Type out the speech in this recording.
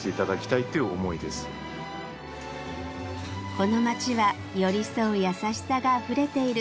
この街は寄り添う優しさがあふれている